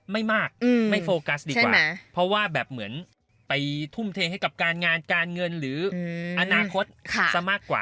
ไม่มากไม่โฟกัสดีกว่าเพราะว่าแบบเหมือนไปทุ่มเทให้กับการงานการเงินหรืออนาคตซะมากกว่า